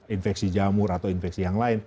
infeksi jamur atau infeksi yang lain